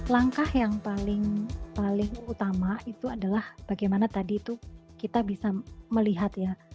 langkah yang paling utama itu adalah bagaimana tadi itu kita bisa melihat ya